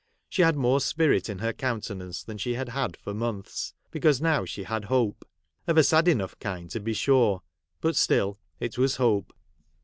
She had more spirit in her countenance than she had had for months, because now she had hope ; of a sad enough kind, to be sure, but still it was hope.